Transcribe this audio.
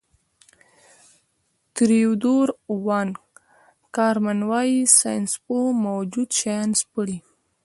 تیودور وان کارمن وايي ساینسپوه موجود شیان سپړي.